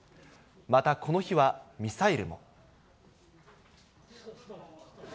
また、この日はミサイルも。